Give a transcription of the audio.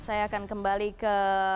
saya akan kembali ke